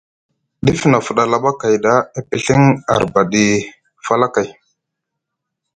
Dif nʼa fuɗa laɓa kay ɗa, e piɵiŋ arbaɗi falakay.